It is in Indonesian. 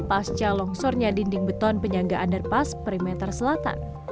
pasca longsornya dinding beton penyangga underpass perimeter selatan